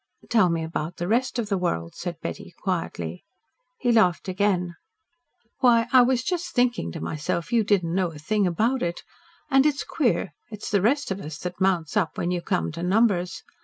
"Tell me about the rest of the world," said Betty quietly. He laughed again. "Why, I was just thinking to myself you didn't know a thing about it. And it's queer. It's the rest of us that mounts up when you come to numbers.